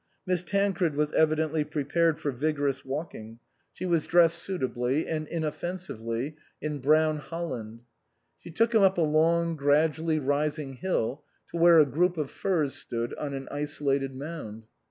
Miss Tancred was evidently prepared for vigorous walking. She was dressed 46 INLAND suitably and inoffensively in brown holland. She took him up a long, gradually rising hill to where a group of firs stood on an isolated mound.